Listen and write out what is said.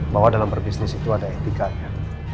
bahwa dalam berbisnis itu ada etikanya